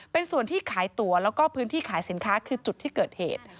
เป็นส่วนที่ขายตัวแล้วก็พื้นที่ขายสินค้าคือจุดที่เกิดเหตุ